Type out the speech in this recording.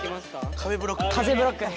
風ブロック。